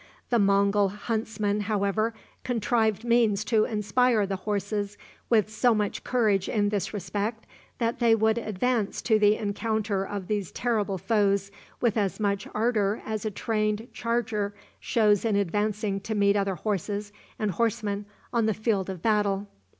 The Mongul huntsmen, however, contrived means to inspire the horses with so much courage in this respect that they would advance to the encounter of these terrible foes with as much ardor as a trained charger shows in advancing to meet other horses and horsemen on the field of battle.